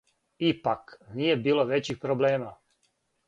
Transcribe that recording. Ипак, није било већих проблема.